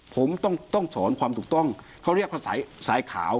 ผมต้องสอนความถูกต้องเขาเรียกว่าสายขาว